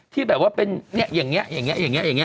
ที่แบบว่าเป็นอย่างนี้อย่างนี้อย่างนี้